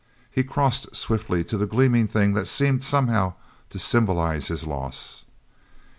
He crossed swiftly to the gleaming thing that seemed somehow to symbolize his loss.